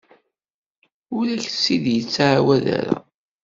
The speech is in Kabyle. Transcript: Ur ak-t-id-yettɛawad ara.